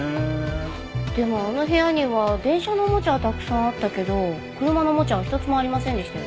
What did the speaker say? でもあの部屋には電車のおもちゃはたくさんあったけど車のおもちゃは一つもありませんでしたよね？